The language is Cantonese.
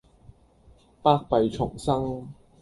百弊叢生